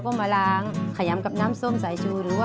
ก็มาล้างไขล้ยำกับน้ำส้มสายชู